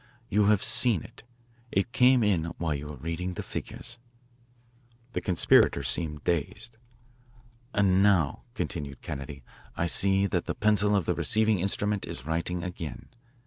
You have seen it. It came in while you were reading the figures." The conspirators seemed dazed. "And now," continued Kennedy, "I see that the pencil of the receiving instrument is writing again.